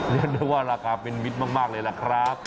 นึกว่าราคาเป็นมิตรมากเลยแหละครับ